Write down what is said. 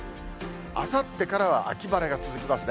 あさってからは秋晴れが続きますね。